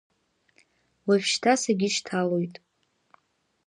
Уажәшьҭа сагьышьҭалоит.